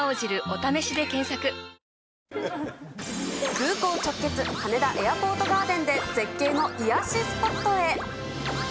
空港直結羽田エアポートガーデンで絶景の癒やしスポットへ。